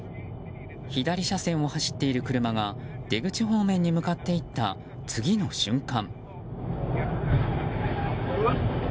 左車線を走っている車が出口方面に向かっていった次の瞬間。